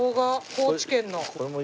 高知県の。